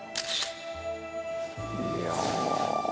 いや。